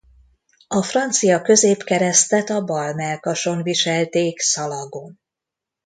A francia középkeresztet a bal mellkason viselték szalagon.